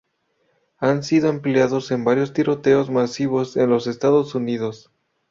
Han sido empleados en varios tiroteos masivos en los Estados Unidos.